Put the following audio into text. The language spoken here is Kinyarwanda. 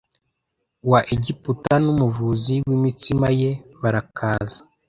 wa egiputa n umuvuzi w imitsima ye barakaza